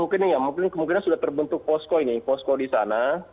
mungkin kemungkinan sudah terbentuk posko ini posko di sana